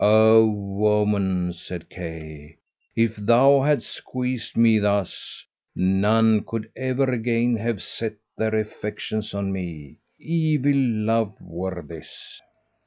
"O woman," said Kay, "if thou hadst squeezed me thus, none could ever again have set their affections on me. Evil love were this."